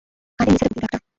কানের নিচে দিব কিন্তু একটা।